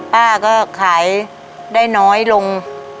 ป้าก็ขายได้น้อยลง